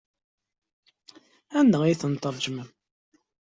Anda ay ten-tṛejmem?